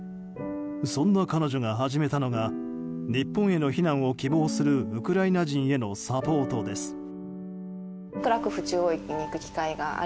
そんな彼女が始めたのが日本への避難を希望するウクライナ人へのサポートです。